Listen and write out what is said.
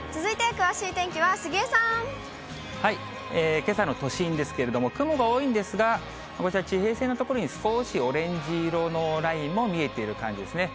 けさの都心ですけれども、雲が多いんですが、こちら地平線の所に、少しオレンジ色のラインも見えている感じですね。